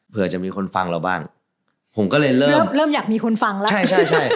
เผื่อจะมีคนฟังเราบ้างเริ่มอยากมีคนฟังแล้ว